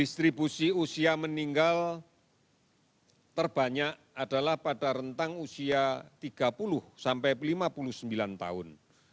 distribusi usia meninggal terbanyak adalah pada rentang usia tiga puluh sampai lima puluh sembilan tahun